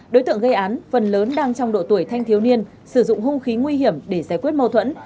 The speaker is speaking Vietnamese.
đối tượng gây án phần lớn đang trong độ tuổi thanh thiếu niên sử dụng hung khí nguy hiểm để giải quyết mâu thuẫn